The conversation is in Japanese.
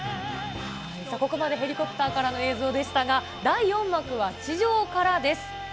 ここまで、ヘリコプターからの映像でしたが、第４幕は地上からです。